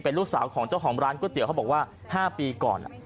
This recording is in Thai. ลูกสาวของเจ้าของร้านก๋วยเตี๋ยวเขาบอกว่า๕ปีก่อน